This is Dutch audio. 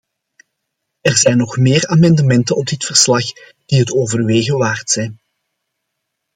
Er zijn nog meer amendementen op dit verslag die het overwegen waard zijn.